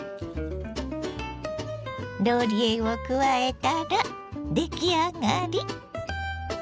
ローリエを加えたら出来上がり。